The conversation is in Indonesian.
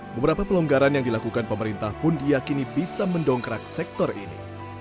beberapa pelonggaran yang dilakukan pemerintah pun diakini bisa mendongkrak sektor ini